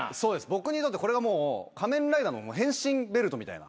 僕にとってこれがもう『仮面ライダー』の変身ベルトみたいな。